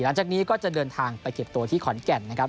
หลังจากนี้ก็จะเดินทางไปเก็บตัวที่ขอนแก่นนะครับ